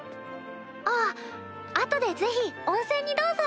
あぁ後でぜひ温泉にどうぞ。